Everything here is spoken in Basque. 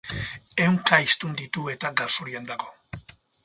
Ehunka hiztun ditu eta galzorian dago.